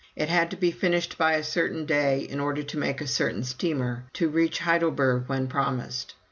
It had to be finished by a certain day, in order to make a certain steamer, to reach Heidelberg when promised.